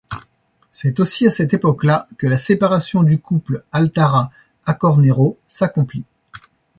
C'est aussi à cette époque-là que la séparation du couple Altara-Accornero s'accomplit.